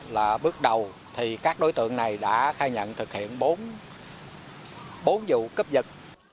là bước đầu thì các đối tượng này đã khai nhận thực hiện bốn vụ cấp giật